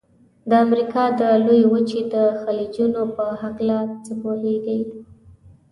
د امریکا د لویې وچې د خلیجونو په هلکه څه پوهیږئ؟